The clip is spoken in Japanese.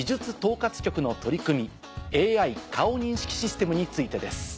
ＡＩ顔認識システムについてです。